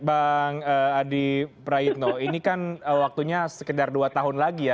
bang adi prayitno ini kan waktunya sekitar dua tahun lagi ya